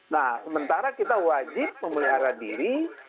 nah sementara kita wajib memelihara diri